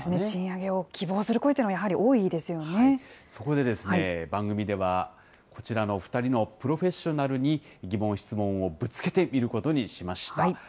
賃上げを希望する声というのはやそこで番組では、こちらの２人のプロフェッショナルに疑問、質問をぶつけてみることにしました。